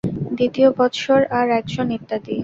দ্বিতীয় বৎসর আর একজন ইত্যাদি।